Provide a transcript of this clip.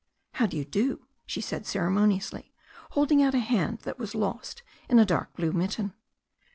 "How do you do?" she said ceremoniously, holding out a hand that was lost in a dark blue mitten.